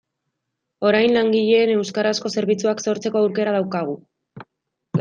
Orain langileen euskarazko zerbitzuak sortzeko aukera daukagu.